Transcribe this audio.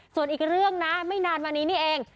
ส่วนอีกเรื่องนะไม่นานมานี้นี่เอง